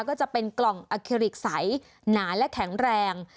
ก็จะเป็นกล่องอเคริกใสหนาและแข็งแรง